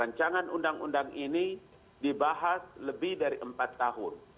rancangan undang undang ini dibahas lebih dari empat tahun